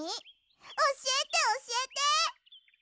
おしえておしえて！